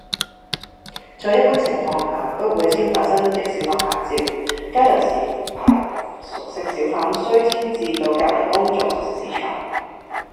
在一般情況下不會簽發新的小販牌照，街頭持牌熟食小販須遷置到離街公眾熟食市場